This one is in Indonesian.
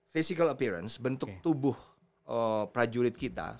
physical appearance bentuk tubuh prajurit kita